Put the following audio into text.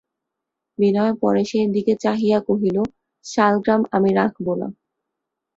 বিনয় পরেশের দিকে চাহিয়া কহিল, শালগ্রাম আমি রাখব না।